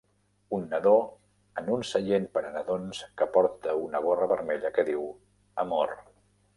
Un nadó en un seient per a nadons que porta una gorra vermella que diu: amor.